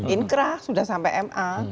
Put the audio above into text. inkrah sudah sampai ma